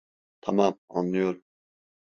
Tamam, anlıyorum.